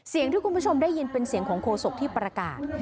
ที่คุณผู้ชมได้ยินเป็นเสียงของโคศกที่ประกาศ